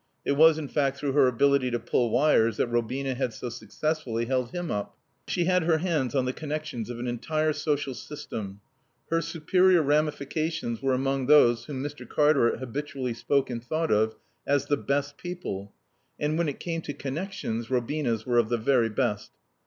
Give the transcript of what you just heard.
It was, in fact, through her ability to pull wires that Robina had so successfully held him up. She had her hands on the connections of an entire social system. Her superior ramifications were among those whom Mr. Cartaret habitually spoke and thought of as "the best people." And when it came to connections, Robina's were of the very best.